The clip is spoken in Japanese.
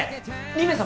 ２名様？